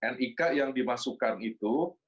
nik yang dimasukkan itu